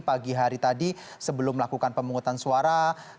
pagi hari tadi sebelum melakukan pemungutan suara